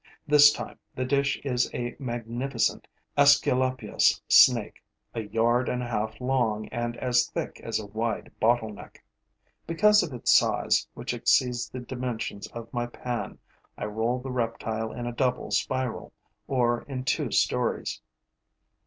This time, the dish is a magnificent Aesculapius' snake, a yard and a half long and as thick as a wide bottleneck. Because of its size, which exceeds the dimensions of my pan, I roll the reptile in a double spiral, or in two storeys.